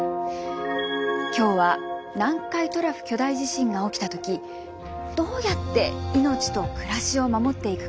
今日は南海トラフ巨大地震が起きた時どうやって命と暮らしを守っていくか。